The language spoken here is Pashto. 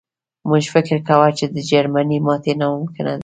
موږ فکر کاوه چې د جرمني ماتې ناممکنه ده